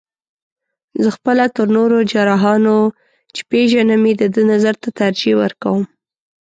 زه خپله تر نورو جراحانو، چې پېژنم یې د ده نظر ته ترجیح ورکوم.